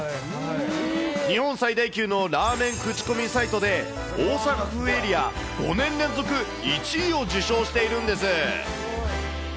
日本最大級のラーメン口コミサイトで、大阪府エリア５年連続１位を受賞しているんです。